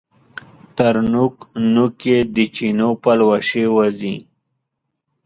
تر نوک، نوک یې د چینو پلوشې وځي